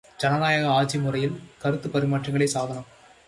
ஜனநாயக ஆட்சி முறையில் கருத்துப் பரிமாற்றங்களே சாதனம்!